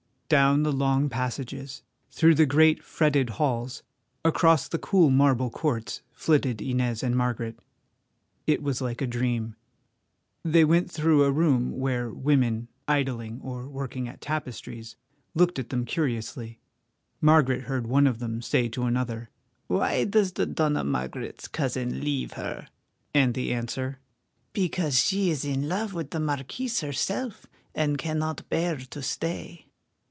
Down the long passages, through the great, fretted halls, across the cool marble courts, flitted Inez and Margaret. It was like a dream. They went through a room where women, idling or working at tapestries, looked at them curiously. Margaret heard one of them say to another: "Why does the Dona Margaret's cousin leave her?" And the answer, "Because she is in love with the marquis herself, and cannot bear to stay."